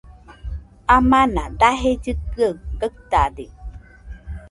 Amana daje llɨkɨaɨ gaɨtade